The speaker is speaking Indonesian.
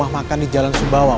apa apa aja aja politik pautan